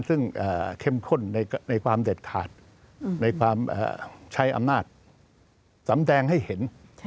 ซึ่งเข้มข้นในความเด็ดขาดในความใช้อำนาจสำแดงให้เห็น